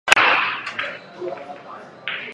大学时期他两度入选全美大学最佳阵容。